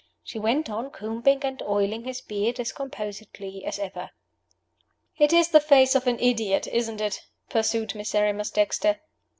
She went on combing and oiling his beard as composedly as ever. "It is the face of an idiot, isn't it?" pursued Miserrimus Dexter!